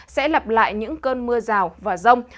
sẽ lặp lại những cơn mưa rào và rông